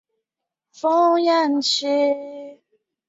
曾荫权及新任行政长官梁振英陪同胡锦涛参加各项仪式。